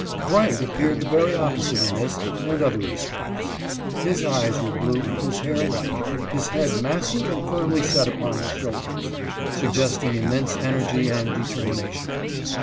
Bright appeared the very op posite in this and other respects. His eyes were blue, his hair light, his head massive and firmly set upon his shoulders, suggesting immense energy and determination.